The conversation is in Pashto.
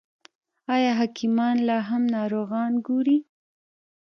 آیا حکیمان لا هم ناروغان ګوري؟